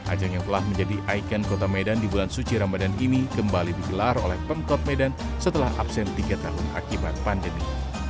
ajang yang telah menjadi ikon kota medan di bulan suci ramadan ini kembali digelar oleh pemkot medan setelah absen tiga tahun akibat pandemi